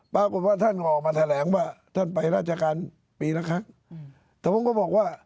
ปรากฏว่าท่านก็ออกมาแถลงว่าท่านไปราชการปีละครั้งแต่ผมก็บอกว่า